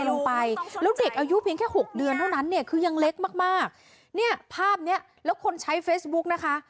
ลงไปแล้วเด็กอายุเพียงแค่หกเดือนเท่านั้นเนี่ยคือยังเล็กมากมากเนี่ยภาพเนี้ยแล้วคนใช้เฟซบุ๊กนะคะ